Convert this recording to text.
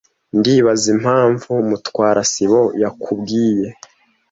Ndibaza impamvu Mutwara sibo yakubwiye.